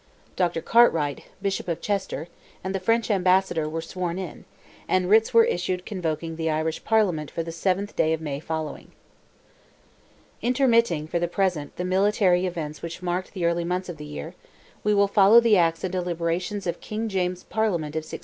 Dr. Cartwright, Bishop of Chester, and the French Ambassador were sworn in, and writs were issued convoking the Irish Parliament for the 7th day of May following. Intermitting, for the present, the military events which marked the early months of the year, we will follow the acts and deliberations of King James's Parliament of 1689.